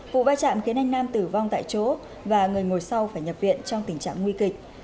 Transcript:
vụ va chạm khiến anh nam tử vong tại chỗ và người ngồi sau phải nhập viện trong tình trạng nguy kịch